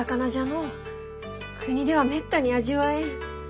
国ではめったに味わえん。